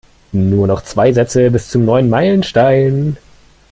Nur noch zwei Sätze bis zum neuen Meilenstein.